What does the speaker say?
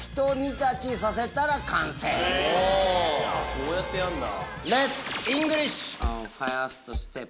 そうやってやるんだ。